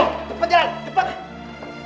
cepat jalan cepat